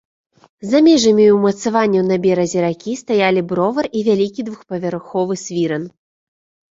За межамі ўмацаванняў на беразе ракі стаялі бровар і вялікі двухпавярховы свіран.